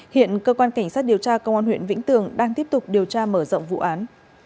hiện cơ quan cảnh sát điều tra công an huyện vĩnh tường đang tiếp tục điều tra mở rộng vụ án